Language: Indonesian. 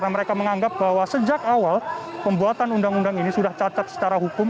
mereka menganggap bahwa sejak awal pembuatan undang undang ini sudah cacat secara hukum